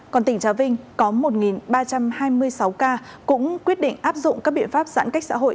còn tỉnh trà vinh có một ba trăm hai mươi sáu ca cũng quyết định áp dụng các biện pháp giãn cách xã hội